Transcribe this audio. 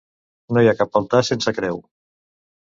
No hi ha cap altar sense creu.